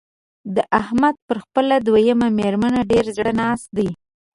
د احمد پر خپله دويمه مېرمنه ډېر زړه ناست دی.